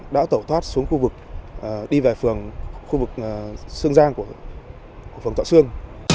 đã tẩu thoát xuống khu vực đi về khu vực xương giang của phòng tọa xương